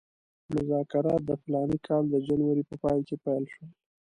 مذاکرات د فلاني کال د جنورۍ په پای کې پیل شول.